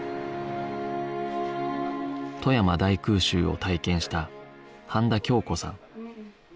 富山大空襲を体験した飯田恭子さん